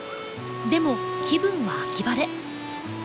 でも気分は秋晴れ。